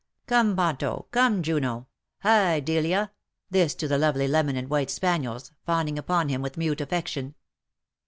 " Come PontO; come Juno^ hi Delia/' this to the lovely lemon and white spaniels^ fawning upon him with mute affection.